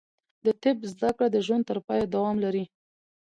د طب زده کړه د ژوند تر پایه دوام لري.